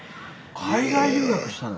海外留学したの。